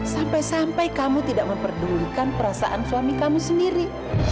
sampai sampai kamu tidak memperdulikan perasaan suami kamu sendiri